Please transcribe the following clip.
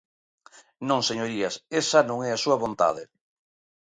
Non, señorías, esa non é a súa vontade.